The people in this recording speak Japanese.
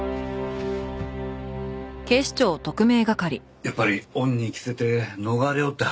やっぱり恩に着せて逃れようって腹ですか？